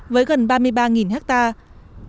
với gần ba mươi ba hectare